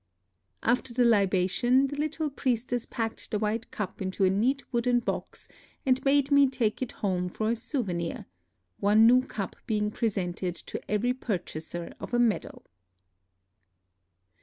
After tlie libation, the little priestess packed tlie white cup into a neat wooden box and bade me take it home for a souvenir ; one new cup being presented to every purchaser of a medal.